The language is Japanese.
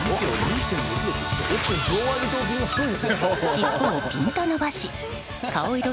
尻尾をピンと伸ばし顔色